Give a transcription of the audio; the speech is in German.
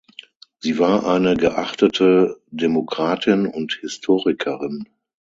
Sie war eine geachtete Demokratin und Historikerin.